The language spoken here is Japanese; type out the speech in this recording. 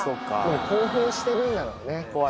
興奮してるんだろうね。